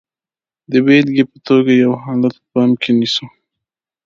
د بېلګې په توګه یو حالت په پام کې نیسو.